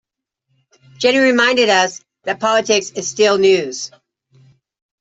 Jenny reminded us that politics is still news.